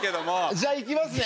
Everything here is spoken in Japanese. じゃあいきますね！